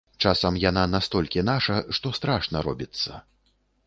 Часам яна настолькі наша, што страшна робіцца.